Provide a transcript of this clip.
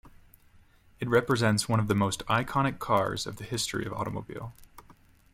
It represents one of the most iconic cars of the history of automobile.